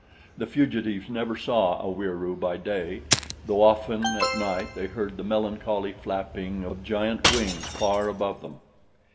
The fugitives saw never a Wieroo by day though often at night they heard the melancholy flapping of giant wings far above them.